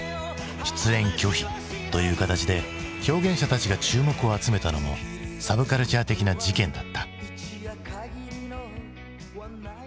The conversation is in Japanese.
出演拒否という形で表現者たちが注目を集めたのもサブカルチャー的な事件だった。